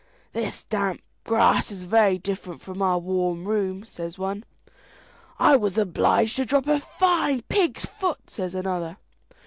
"This damp grass is very different from our warm room," says one. "I was obliged to drop a fine pig's foot," says another.